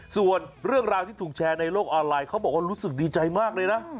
ส่วนเรื่องราวที่ถูกแชร์ในโลกออนไลน์เขาบอกว่ารู้สึกดีใจมากเลยนะ